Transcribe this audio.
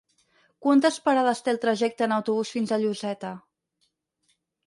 Quantes parades té el trajecte en autobús fins a Lloseta?